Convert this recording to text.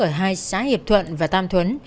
ở hai xã hiệp thuận và tam thuấn